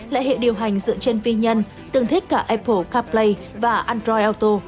lại hệ điều hành dựa trên viên nhân tương thích cả apple carplay và android auto